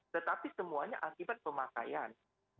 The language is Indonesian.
tetapi semuanya akibat pemakaian